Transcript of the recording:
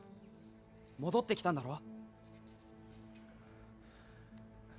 戻ってきたんだろ？